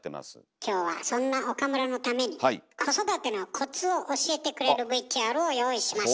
今日はそんな岡村のために子育てのコツを教えてくれるＶＴＲを用意しました。